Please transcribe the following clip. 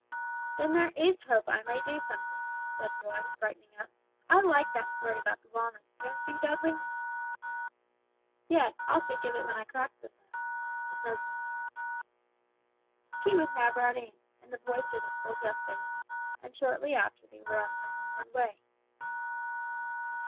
"Then there is hope I may do something," said Roy, brightening up; "I like that story about the walnuts, don't you, Dudley?" "Yes, I'll think of it when I crack them next," said Dudley. Tea was now brought in, and the boys did it full justice, and shortly after they were on their homeward way.